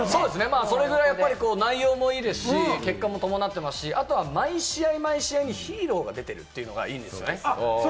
それぐらい内容もいいですし、結果も伴ってますし、毎試合、ヒーローが出ているというのはいいですよね。